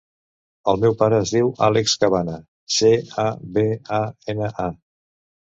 El meu pare es diu Àlex Cabana: ce, a, be, a, ena, a.